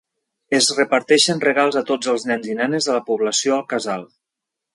Es reparteixen regals a tots els nens i nenes de la població al casal.